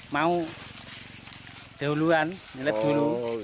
mau dahuluan nyelip dulu